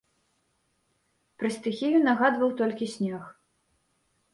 Пра стыхію нагадваў толькі снег.